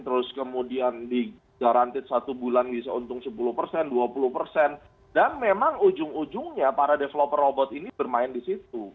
terus kemudian di garanti satu bulan bisa untung sepuluh persen dua puluh persen dan memang ujung ujungnya para developer robot ini bermain di situ